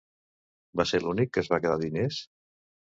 Va ser l'únic que es va quedar diners?